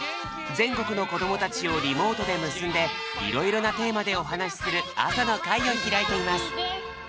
ぜんこくのこどもたちをリモートでむすんでいろいろなテーマでおはなしするあさのかいをひらいています